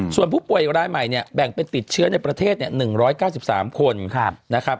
ส่วนผู้ป่วยร้ายใหม่แบ่งเป็นติดเชื้อในประเทศ๑๙๓คน